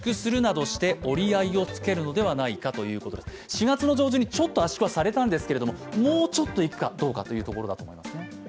４月上旬にちょっと圧縮はされたんですけれども、もうちょっといくかどうかというところだと思います。